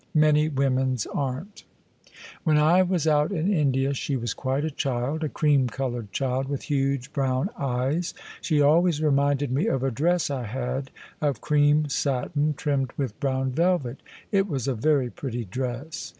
Many women's aren't." ''When I was out in India she was quite a child; a creamHX>loured child with huge brown ^es. She always reminded me of a dress I had of cream satin trimmed with brown velvet. It was a very pretty dress!